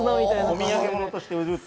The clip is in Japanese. お土産物として売ると。